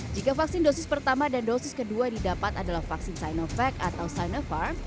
jika vaksin dosis pertama dan dosis kedua didapat adalah vaksin sinovac atau sinopharm